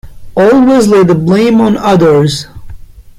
Always lay the blame on others!’